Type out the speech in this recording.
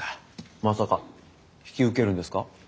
まさか引き受けるんですか？